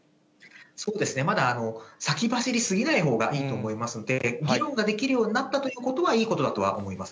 そうですね、まだ先走り過ぎないほうがいいと思いますので、議論ができるようになったということは、いいことだとは思います